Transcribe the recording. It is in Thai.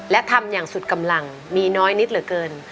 และทำอย่างสุดกำลังมีน้อยนิดเหลือเกิน